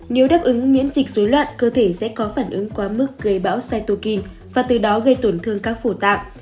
nếu đáp ứng miễn dịch dối loạn cơ thể sẽ có phản ứng quá mức gây bão saitukin và từ đó gây tổn thương các phổ tạng